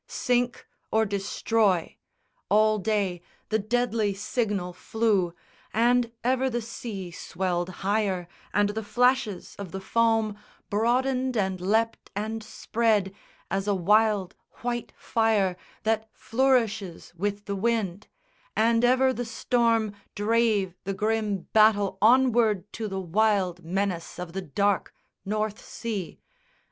Sink or destroy! all day The deadly signal flew; and ever the sea Swelled higher, and the flashes of the foam Broadened and leapt and spread as a wild white fire That flourishes with the wind; and ever the storm Drave the grim battle onward to the wild Menace of the dark North Sea.